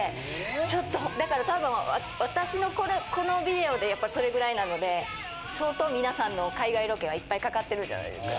ちょっとだからたぶん私のこのビデオでやっぱりそれぐらいなので相当皆さんの海外ロケはいっぱいかかってるんじゃないですか。